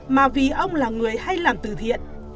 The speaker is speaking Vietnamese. mà vì ông là người hay làm từ thiện